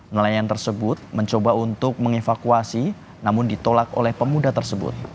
nelayan tersebut mencoba untuk mengevakuasi namun ditolak oleh pemuda tersebut